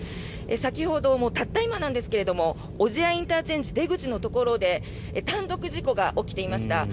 先ほど、たった今なんですが小千谷ＩＣの出口のところで単独事故が起きていました。